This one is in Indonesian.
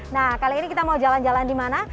nah kali ini kita mau jalan jalan di mana